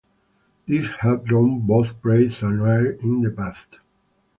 These have drawn both praise and ire in the past.